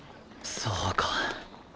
そうか